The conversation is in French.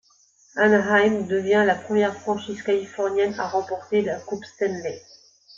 Anaheim devient la première franchise californienne à remporter la Coupe Stanley.